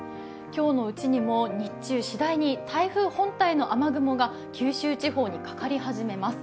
今日のうちにも日中、しだいに台風本体の雨雲が九州地方にかかり始めます。